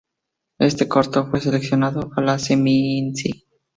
Este corto fue seleccionada a la Seminci.